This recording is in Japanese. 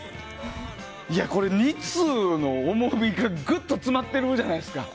これ、２通の重みがグッと詰まってるじゃないですか。